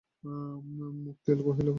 মুক্তিয়ার কহিল, হাঁ।